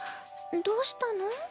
どうしたの？